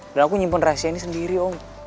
dan aku nyimpen rahasia ini sendiri om